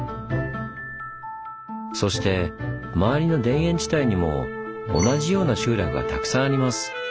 そして周りの田園地帯にも同じような集落がたくさんあります。